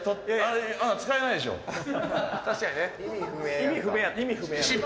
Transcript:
意味不明や。